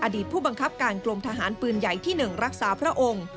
อดีตผู้บังคับการกลมทหารปืนใหญ่ที่๑รักษาพระองค์